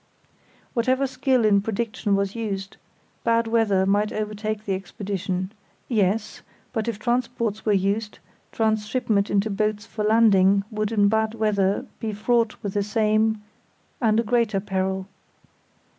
Whatever skill in prediction was used, bad weather might overtake the expedition. Yes; but if transports were used transhipment into boats for landing would in bad weather be fraught with the same and a greater peril.